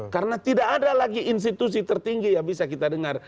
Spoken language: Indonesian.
karena tidak ada lagi institusi tertinggi yang bisa kita dengar